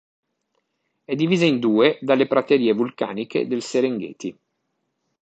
È divisa in due dalle praterie vulcaniche del Serengeti.